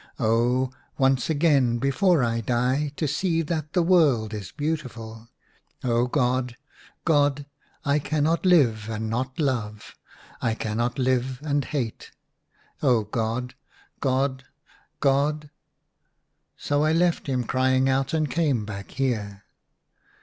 Oh, once again before I die to see that the world is beautiful ! Oh, God, God, I cannot live and not love. I cannot live and hate. Oh, God, God, God !' So I left him crying out and came back here."